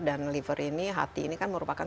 dan liver ini hati ini kan merupakan